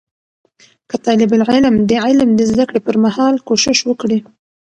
که طالب العلم د علم د زده کړې پر مهال کوشش وکړي